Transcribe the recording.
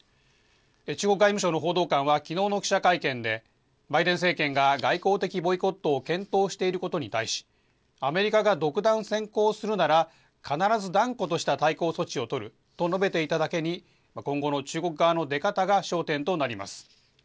中国外務省の報道官はきのうの記者会見で、バイデン政権が外交的ボイコットを検討していることに対し、アメリカが独断専行するなら、必ず断固とした対抗措置を取ると述べていただけに、今後の中国側の出方が焦点となります。